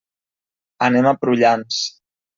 Anem a Prullans.